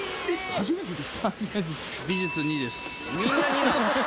初めてです。